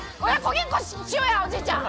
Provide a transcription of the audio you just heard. げんかしようやおじいちゃん！